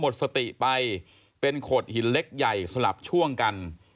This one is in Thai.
หมดสติไปเป็นโขดหินเล็กใหญ่สลับช่วงกัน